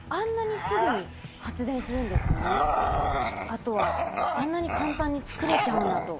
あとはあんなに簡単に作れちゃうんだと。